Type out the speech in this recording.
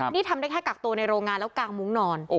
นี่ทำได้แค่กักตัวในโรงงานแล้วกางมุ้งนอน